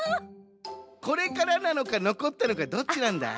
これからなのかのこったのかどっちなんだい？